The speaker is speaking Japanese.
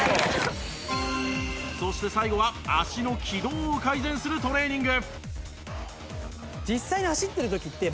そして最後は足の軌道を改善するトレーニング